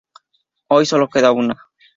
Hoy sólo queda una.